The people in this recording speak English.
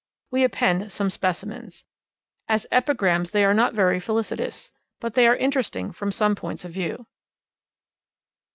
We append some specimens. As epigrams they are not very felicitous, but they are interesting from some points of view.